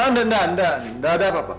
oh enggak enggak nggak ada apa apa